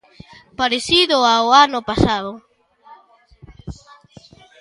Parecido ao ano pasado.